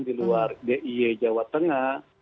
di luar diy jawa tengah